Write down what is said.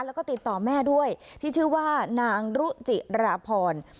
แล้วก็ติดต่อแม่ด้วยที่ชื่อว่านางรุจิราพร